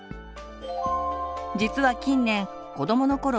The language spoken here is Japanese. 実は近年子どものころ